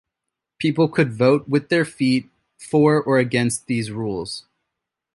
People could "vote with their feet" for or against these rules.